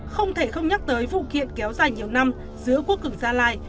không thể không nhắc tới vụ kiện kéo dài nhiều năm giữa quốc cực gia lai